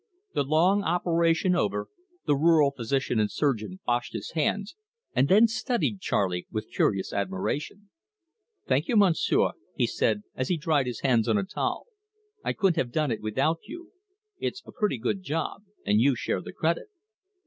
The long operation over, the rural physician and surgeon washed his hands and then studied Charley with curious admiration. "Thank you, Monsieur," he said, as he dried his hands on a towel. "I couldn't have done it without you. It's a pretty good job; and you share the credit."